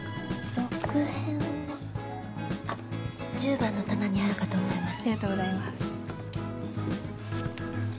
続編はあっ１０番の棚にあるかと思います